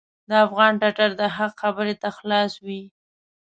د افغان ټټر د حق خبرې ته خلاص وي.